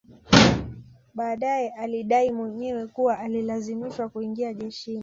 Baadae alidai mwenyewe kuwa alilazimishwa kuingia jeshini